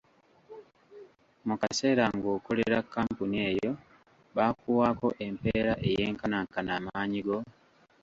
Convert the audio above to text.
Mu kaseera ng'okolera kampuni eyo baakuwaako empeera ey'enkanaankana amaanyi go?